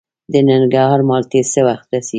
د ننګرهار مالټې څه وخت رسیږي؟